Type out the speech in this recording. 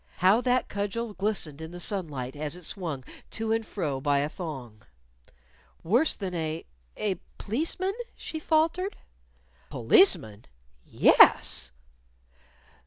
How that cudgel glistened in the sunlight as it swung to and fro by a thong! "Worse than a a p'liceman?" she faltered. "Policeman? _Yes!